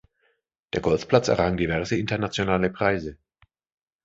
Der Golfplatz errang diverse internationale Preise.